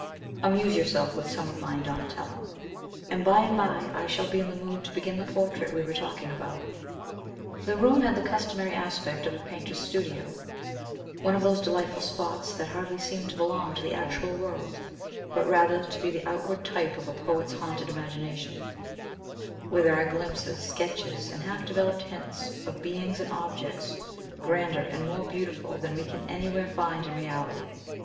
Amuse yourself with some of mine, Donatello, and by and by I shall be in the mood to begin the portrait we were talking about." The room had the customary aspect of a painter's studio; one of those delightful spots that hardly seem to belong to the actual world, but rather to be the outward type of a poet's haunted imagination, where there are glimpses, sketches, and half developed hints of beings and objects grander and more beautiful than we can anywhere find in reality.